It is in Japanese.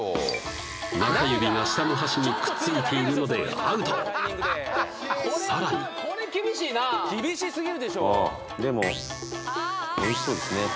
中指が下の箸にくっついているのでアウトさらにこれ厳しいな厳しすぎるでしょあっでもおいしそうですね